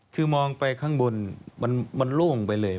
คือมองไปข้างบนมันโล่งไปเลย